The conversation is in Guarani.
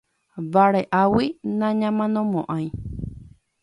Vare'águi nañamanomo'ãi.